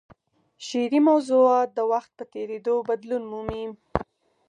شعري موضوعات د وخت په تېرېدو بدلون مومي.